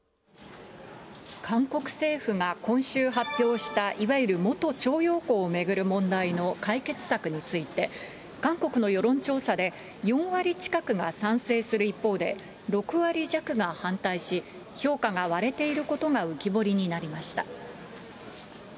韓国政府が今週発表したいわゆる元徴用工を巡る問題の解決策について、韓国の世論調査で、４割近くが賛成する一方で、６割弱が反対し、評価が割れていることが浮き彫りになりました。